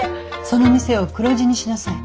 その店を黒字にしなさい。